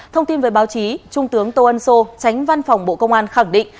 thông tin về báo chí trung tướng tô ân sô tránh văn phòng bộ công an khẳng định